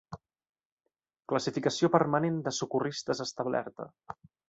Classificació Permanent de Socorristes establerta.